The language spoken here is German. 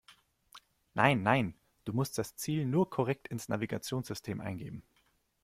Nein, nein, du musst das Ziel nur korrekt ins Navigationssystem eingeben.